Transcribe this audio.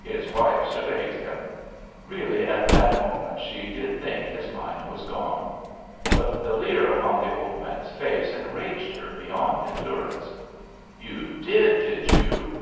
His wife surveyed him. Really at that moment she did think his mind was gone; but the leer upon the old man's face enraged her beyond endurance. "You did, did you?